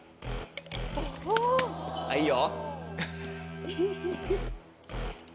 いいよ。